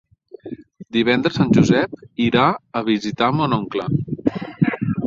Divendres en Josep irà a visitar mon oncle.